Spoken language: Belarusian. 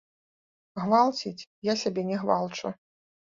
Гвалціць я сябе не гвалчу.